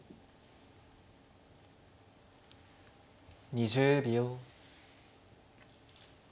２０秒。